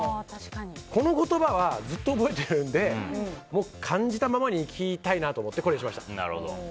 この言葉はずっと覚えてるのでもう、感じたままに生きたいなと思って、これにしました。